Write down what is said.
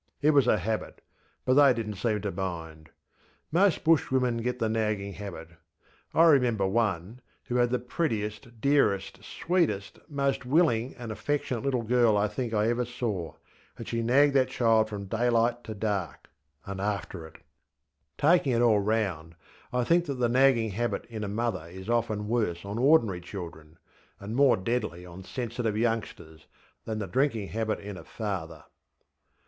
It was a habit, but they didnŌĆÖt seem to mind. Most Bushwomen get the nagging habit. I remember one, who had the prettiest, dearest, sweetest, most willing, and affectionate little girl I think I ever saw, and she nagged that child from daylight till darkŌĆöand after it. Taking it all round, I think that the nagging habit in a mother is often worse on ordinary children, and more deadly on sensitive youngsters, than the drinking habit in a father.